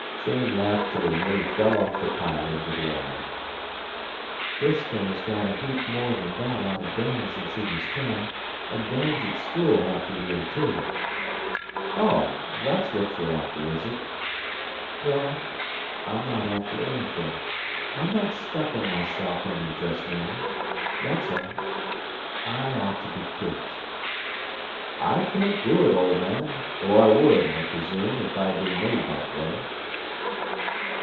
Cheyne laughed till he nearly fell off the pile into the water. "Disko has got a heap more than that out of Dan since he was ten; and Dan's at school half the year, too." "Oh, that's what you're after, is it?" "No. I'm not after anything. I'm not stuck on myself any just now that's all. ... I ought to be kicked." "I can't do it, old man; or I would, I presume, if I'd been made that way."